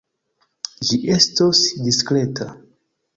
Ĝi estos diskreta.